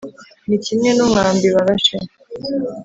Ni kimwe n’umwambi barashe,